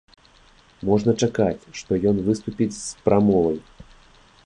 Можна чакаць, што ён выступіць з прамовай.